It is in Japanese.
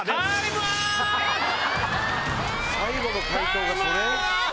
最後の解答がそれ？